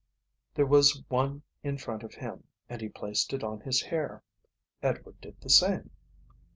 There was one in front of him and he placed it on his hair. Edward did the same.